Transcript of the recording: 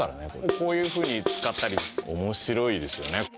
こういうふうに使ったり面白いですよね。